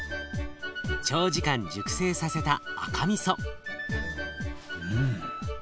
長時間熟成させたうん。